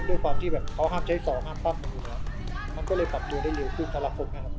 ด้วยความที่แบบเขาห้ามใช้สองห้ามปั๊บมันก็เลยปรับตัวได้เร็วขึ้นสำหรับผมนะครับ